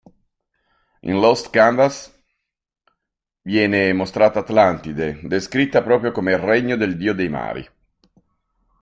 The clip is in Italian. In "Lost Canvas" viene mostrata Atlantide, descritta proprio come regno del dio dei mari.